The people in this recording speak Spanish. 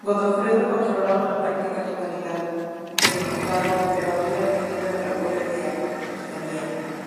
Godofredo controlaba la práctica totalidad del ducado, pero había perdido el apoyo de Aquitania.